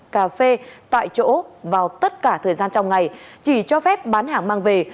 cà phê tại chỗ vào tất cả thời gian trong ngày chỉ cho phép bán hàng mang về